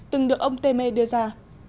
từng được ông temer đưa ra